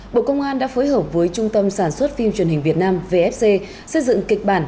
bộ công an đã phối hợp với trung tâm sản xuất phim truyền hình việt nam vfc xây dựng kịch bản